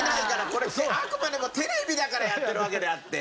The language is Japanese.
これってあくまでもテレビだからやってるわけであって。